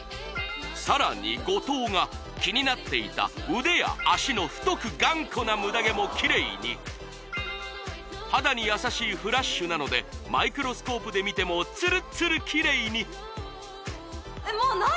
さらに五島が気になっていた腕や脚の太く頑固なムダ毛もキレイに肌に優しいフラッシュなのでマイクロスコープで見てもツルツルキレイに！